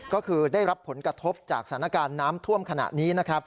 ก็คือได้รับผลกระทบจากสถานการณ์น้ำท่วมขณะนี้นะครับ